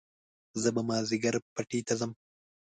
زه به مازيګر پټي ته ځم